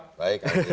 baik apa kabar